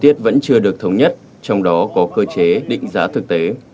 tiết vẫn chưa được thống nhất trong đó có cơ chế định giá thực tế